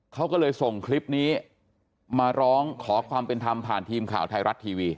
เขาก็เลยส่งคลิปนี้มาร้องขอความเป็นธรรมผ่านทีมข่าวไทยรัฐทีวี